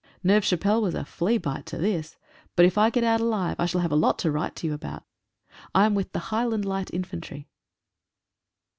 Neuve Chapelle was a flea bite to this. But if I get out alive I shall have a lot to write to you about. I am with the Highland Light Infantry.